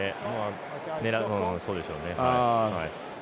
狙うそうでしょうね。